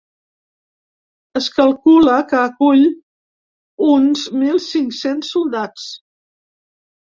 Es calcula que acull uns mil cinc-cents soldats.